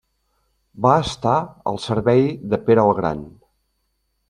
Va estar al servei de Pere el Gran.